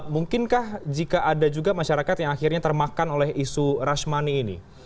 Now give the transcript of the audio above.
mungkinkah jika ada juga masyarakat yang akhirnya termakan oleh isu rashmani ini